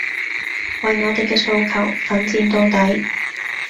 為我哋嘅訴求奮戰到底